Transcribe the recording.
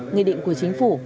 nghị định của chính phủ